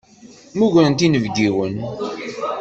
Mmugrent inebgiwen.